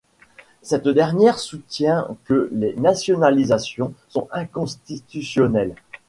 Cette dernière soutient que les nationalisations sont inconstitutionnelles.